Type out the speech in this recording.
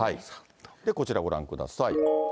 こちらご覧ください。